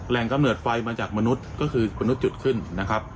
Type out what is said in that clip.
กำเนิดไฟมาจากมนุษย์ก็คือมนุษย์จุดขึ้นนะครับ